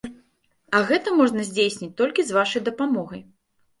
А гэта можна здзейсніць толькі з вашай дапамогай!